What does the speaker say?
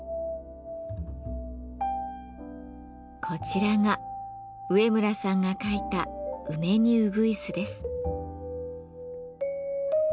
こちらが上村さんが描いた「梅にうぐいす」です。